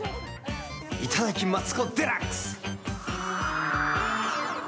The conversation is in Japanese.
いただきマツコ・デラックス